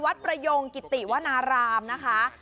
นาฬัยเยาะโจงกิติวณารามนะคะ